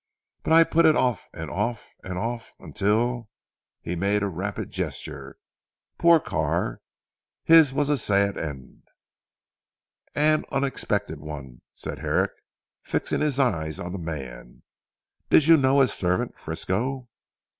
But I put it off and off and off until " he made a rapid gesture, "poor Carr! His was a sad end." "An unexpected one," said Herrick fixing his eyes on the man. "Did you know his servant, Frisco?"